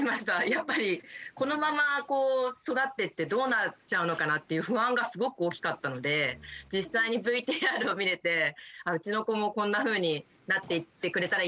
やっぱりこのままこう育ってってどうなっちゃうのかなっていう不安がすごく大きかったので実際にＶＴＲを見れてうちの子もこんなふうになっていってくれたらいいなと思いますし。